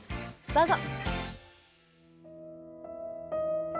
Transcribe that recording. どうぞ！